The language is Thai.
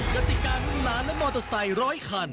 กระติกรรมของหลานและมอเตอร์ไซร้อยคัน